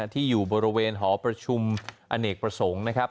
ที่อยู่บริเวณหอประชุมอเนกประสงค์นะครับ